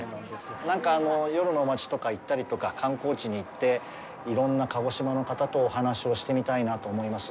なんか、夜の町とか行ったりとか観光地に行って、いろんな鹿児島の方とお話をしてみたいなと思います。